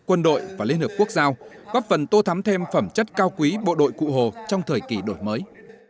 quân đội và liên hợp quốc giao góp phần tô thắm thêm phẩm chất cao quý bộ đội cụ hồ trong thời kỳ đổi mới